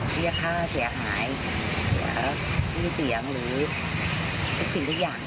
เรียกค่าเสียหายเสียชื่อเสียงหรือทุกสิ่งทุกอย่าง